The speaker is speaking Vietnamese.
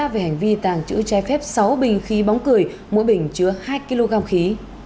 về hành vi tàng trữ trái phép sáu bình khí bóng cười mỗi bình chứa hai kg khí